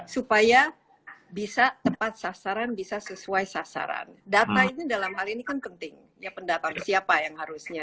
supaya bisa tepat sasaran bisa sesuai sasaran data ini dalam hal ini kan penting ya pendatang